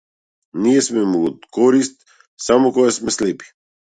Ние сме му од корист само кога сме слепи.